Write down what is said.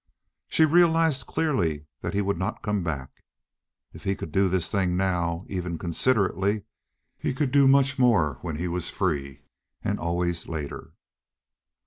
She realized clearly that he would not come back. If he could do this thing now, even considerately, he could do much more when he was free and away later.